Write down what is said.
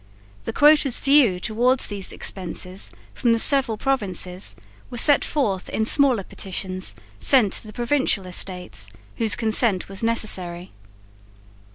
The "quotas" due towards these expenses from the several provinces were set forth in smaller petitions sent to the Provincial Estates, whose consent was necessary.